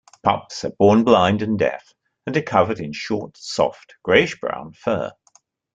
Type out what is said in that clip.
Pups are born blind and deaf, and are covered in short soft grayish-brown fur.